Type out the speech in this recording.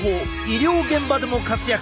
医療現場でも活躍！